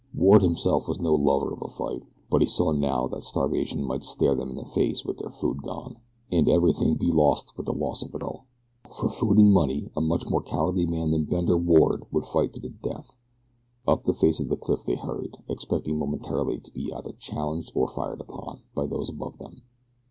Ward himself was no lover of a fight, but he saw now that starvation might stare them in the face with their food gone, and everything be lost with the loss of the girl. For food and money a much more cowardly man than Bender Ward would fight to the death. Up the face of the cliff they hurried, expecting momentarily to be either challenged or fired upon by those above them.